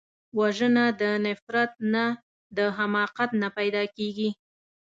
وژنه د نفرت نه، د حماقت نه پیدا کېږي